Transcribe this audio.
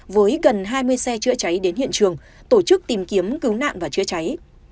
với gần hai mươi xe chưa cháy đến hiện trường tổ chức tìm kiếm cứu nạn và chưa cháy